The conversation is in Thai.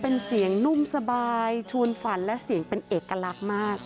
เป็นเสียงนุ่มสบายชวนฝันและเสียงเป็นเอกลักษณ์มาก